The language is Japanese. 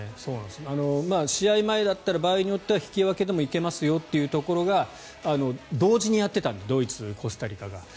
試合前だったら場合によっては引き分けでも行けますよというところが同時にやっていたのでドイツとコスタリカが。